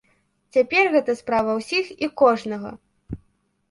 Цяпер гэта справа ўсіх і кожнага!